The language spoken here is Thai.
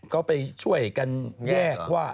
ก็ไปช่วยกันแยกว่า